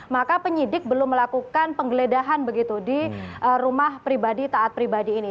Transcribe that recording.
maka penyidik belum melakukan penggeledahan begitu di rumah pribadi taat pribadi ini